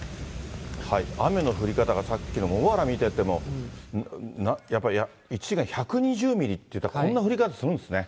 雨の降り方がさっきの茂原見てても、やっぱり１時間に１２０ミリっていったら、こんな降り方するんですね。